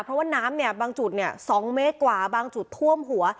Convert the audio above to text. เพราะว่าน้ำเนี่ยบางจุด๒เมตรกว่าบางจุดท่วมหัว